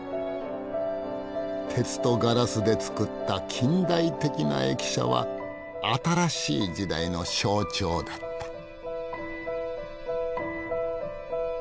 鉄とガラスで作った近代的な駅舎は新しい時代の象徴だった。